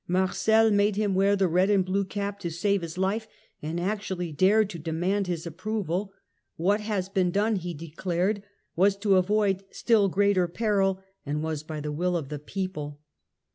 Marcel made him wear the red and blue cap to save his life, and actually dared to demand his approval ; "what has been done," he declared, " was to avoid still greater peril and was by the will of the people